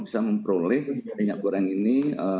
bisa memperoleh minyak goreng ini